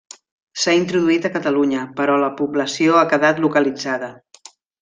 S'ha introduït a Catalunya, però la població ha quedat localitzada.